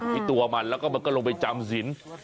ที่ตัวมันแล้วก็มันก็ลงไปจำสิน